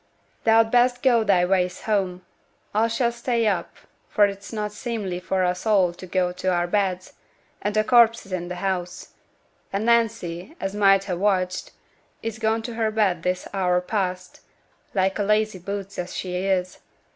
'Thou'd best go thy ways home; a shall stay up, for it's not seemly for us a' t' go to our beds, an' a corpse in t' house; an' Nancy, as might ha' watched, is gone to her bed this hour past, like a lazy boots as she is.